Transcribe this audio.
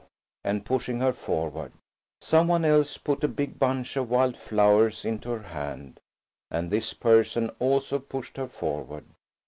and pushing her forward. Some one else put a big bunch of wild flowers into her hand, and this person also pushed her forward.